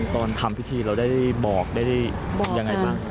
ตอนทำพิธีเราได้บอกได้ยังไงบ้าง